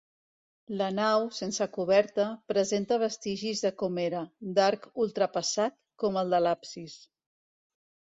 La nau, sense coberta, presenta vestigis de com era: d'arc ultrapassat, com el de l'absis.